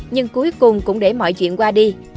nhưng cuối cùng cũng để mọi chuyện qua đi